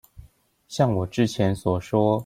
像我之前所說